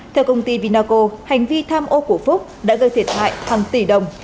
theo công ty vinaco hành vi tham ô của phúc đã gây thiệt hại hàng tỷ đồng